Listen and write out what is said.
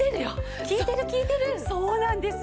そうなんです！